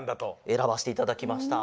選ばせていただきました。